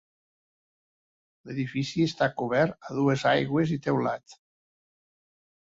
L'edifici està cobert a dues aigües i teulat.